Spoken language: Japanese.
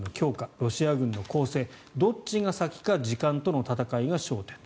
ロシア軍の攻勢どっちが先か時間との闘いが焦点と。